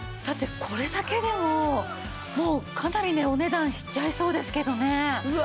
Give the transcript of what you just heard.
だってこれだけでももうかなりねお値段しちゃいそうですけどね。